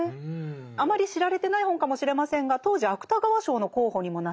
あまり知られてない本かもしれませんが当時芥川賞の候補にもなって。